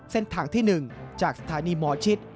เส้นทางที่๑จากสถานีหมอชิต